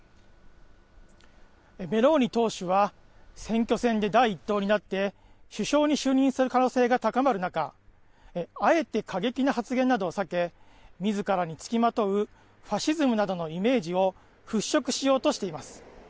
メローニ党首は、選挙戦で第１党になって首相に就任する可能性が高まる中、あえて過激な発言などを避け、みずからにつきまとうファシズムなどのイメージを払拭しようとしています。